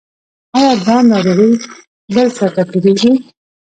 ایا دا ناروغي بل چا ته تیریږي؟